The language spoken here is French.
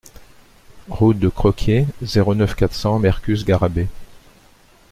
Route de Croquié, zéro neuf, quatre cents Mercus-Garrabet